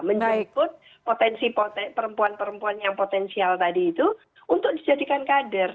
menjemput potensi perempuan perempuan yang potensial tadi itu untuk dijadikan kader